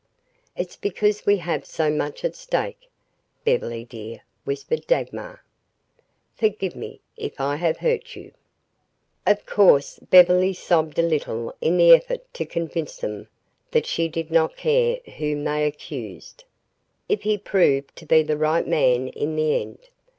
"It's because we have so much at stake, Beverly, dear," whispered Dagmar. "Forgive me if I have hurt you." Of course, Beverly sobbed a little in the effort to convince them that she did not care whom they accused, if he proved to be the right man in the end.